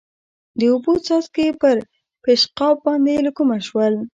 د اوبو څاڅکي پر پېشقاب باندې له کومه شول؟